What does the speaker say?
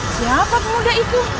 siapa pemuda itu